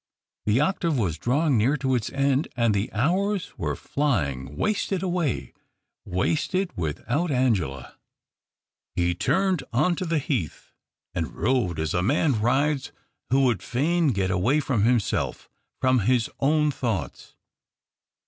The octave was drawing near to its end, and the hours were flying wasted away — wasted without Angela. He THE OCTAVE OF CLAUDIUS. 241 turned on to the heath and rode as a man rides who wouki fain get away from himself — from his own thoughts.